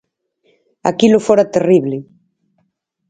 Aquilo fora terrible.